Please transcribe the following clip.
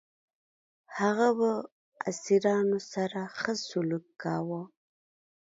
هغه به اسیرانو سره ښه سلوک کاوه.